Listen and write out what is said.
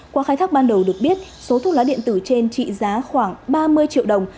qua khai thác ban đầu được biết số thuốc lá điện tử trên trị giá khoảng ba mươi triệu đồng